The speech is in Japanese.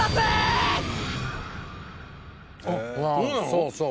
そうそう。